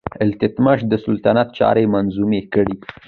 التتمش د سلطنت چارې منظمې کړې.